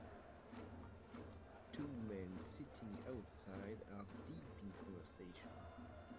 Two men sitting outside are deep in conversation.